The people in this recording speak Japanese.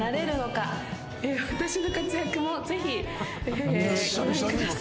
私の活躍もぜひご覧ください。